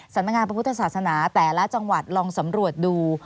สำนักงานพระพุทธศาสนาแต่ละจังหวัดลองสำรวจดู